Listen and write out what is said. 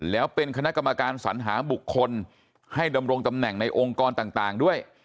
แล้วเป็นคณะกรรมการสัญหาบุคคลให้ดำรงตำแหน่งในองค์กรต่างด้วย